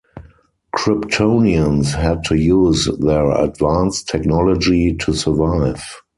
Kryptonians had to use their advanced technology to survive.